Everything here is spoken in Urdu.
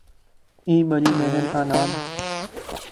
کی بڑی بہن کا نام